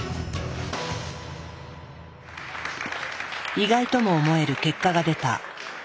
意外とも思える結果が出た。